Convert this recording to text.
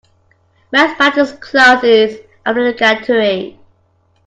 Mathematics class is obligatory.